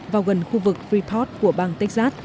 vào gần khu vực freeport của bang texas